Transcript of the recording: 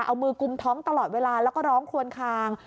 เอามือกุมท้องตลอดเวลาแล้วก็ร้องควนคาง